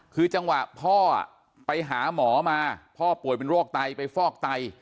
คือจังหวะพ่อไปหาหมอมาพ่อป่วยเป็นโรคไตไปฟอกไต